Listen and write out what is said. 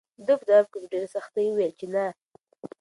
ده په ځواب کې په ډېرې سختۍ وویل چې نه.